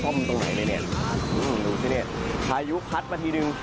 ซ่อมตรงไหนเนี่ยดูซิเนี่ยทายุพัดมาทีหนึ่ง